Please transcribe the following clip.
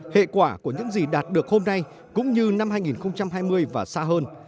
hệ quả của những gì đạt được hôm nay cũng như năm hai nghìn hai mươi và xa hơn